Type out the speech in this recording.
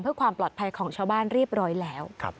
เพื่อความปลอดภัยของชาวบ้านเรียบร้อยแล้ว